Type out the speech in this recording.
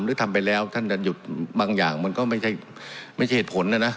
ทำไปแล้วท่านจะหยุดบางอย่างมันก็ไม่ใช่เหตุผลนะนะ